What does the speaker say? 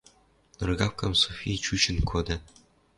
Ныргапкам Софи чучӹн кода.